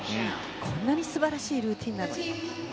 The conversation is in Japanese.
こんなに素晴らしいルーティンなのにと。